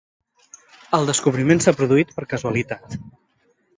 El descobriment s'ha produït per casualitat